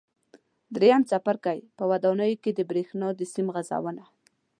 درېیم څپرکی: په ودانیو کې د برېښنا د سیم غځونه